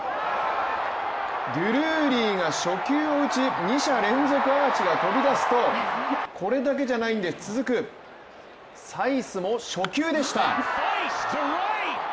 ドゥルーリーが初球を打ち２者連続アーチが飛び出すとこれだけじゃないんです、続くサイスも初球でした。